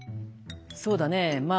「そうだねぇまあ